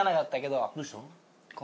どうした？